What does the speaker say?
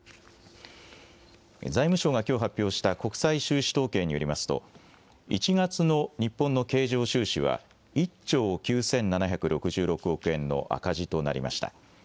財務省がきょう発表した国際収支統計によりますと、１月の日本の経常収支は１兆９７６６億円の赤字となりました。